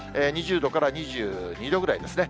２０度から２２度ぐらいですね。